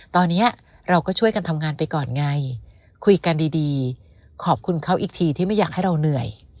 ตอนนี้เราก็ช่วยกันทำงานไปก่อนไงคุยกันดีขอบคุณเขาอีกทีที่ไม่อยากให้เราเหนื่อย